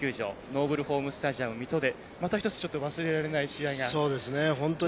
ノーブルホームスタジアム水戸でまた一つ忘れられない試合が。